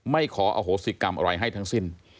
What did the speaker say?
ขออโหสิกรรมอะไรให้ทั้งสิ้น